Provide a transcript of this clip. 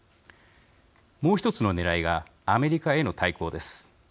もう一つのねらいがアメリカへの対抗です。